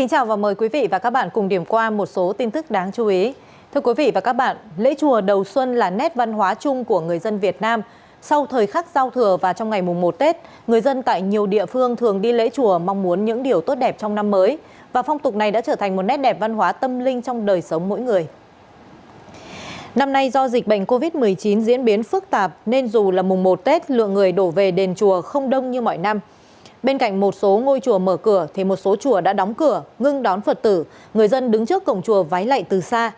hãy đăng ký kênh để ủng hộ kênh của chúng mình nhé